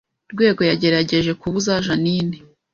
Rwego yagerageje kubuza Jeaninne